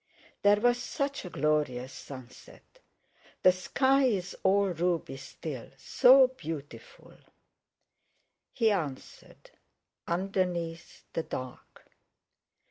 There was such a glorious sunset. The sky's all ruby still—so beautiful!" He answered: "Underneath the dark."